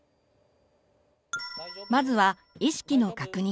まずは意識の確認。